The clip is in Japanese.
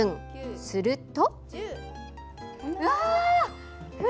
すると。